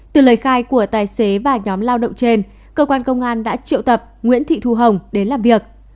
từ lời khai của tài xế và nhóm lao động trên cơ quan công an đã triệu tập nguyễn thị thu hồng đến làm việc